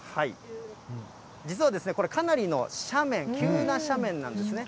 実はですね、これ、かなりの斜面、急な斜面なんですね。